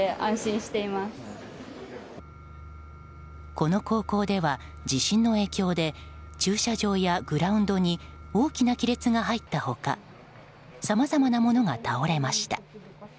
この高校では地震の影響で駐車場やグラウンドに大きな亀裂が入った他さまざまなものが倒れました。